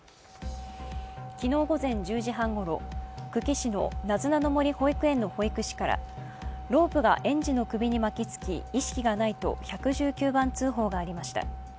昨日午前１０時半ごろ、久喜市のなずなの森保育園の保育士からロープが園児の首に巻き付き、意識がないと１１９番通報がありました。